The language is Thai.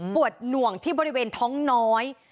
ปวดหน่วงที่บริเวณท้องน้อย